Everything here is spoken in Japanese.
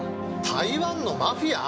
台湾のマフィア！？